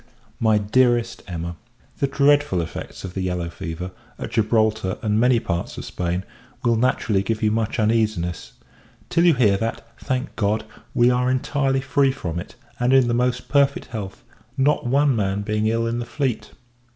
MY DEAREST EMMA, The dreadful effects of the yellow fever, at Gibraltar, and many parts of Spain, will naturally give you much uneasiness; till you hear that, thank God, we are entirely free from it, and in the most perfect health, not one man being ill in the fleet.